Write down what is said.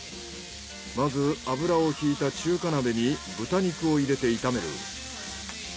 まず油を引いた中華鍋に豚肉を入れて炒める。